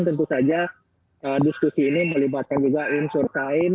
tentu saja diskusi ini melibatkan juga unsur kain